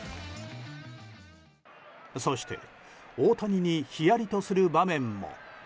そして、大谷にひやりとする場面も。